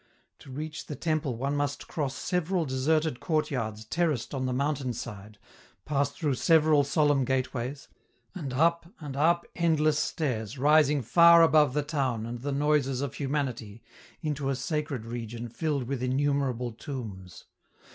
To reach the temple one must cross several deserted courtyards terraced on the mountain side, pass through several solemn gateways, and up and up endless stairs rising far above the town and the noises of humanity into a sacred region filled with innumerable tombs.